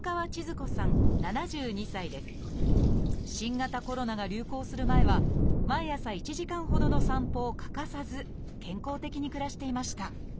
新型コロナが流行する前は毎朝１時間ほどの散歩を欠かさず健康的に暮らしていました。